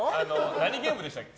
何ゲームでしたっけ。